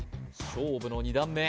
勝負の２段目！